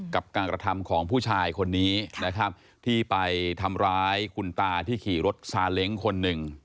กับการกระทำของผู้ชายคนนี้นะครับที่ไปทำร้ายคุณตาที่ขี่รถซาเล้งคนหนึ่ง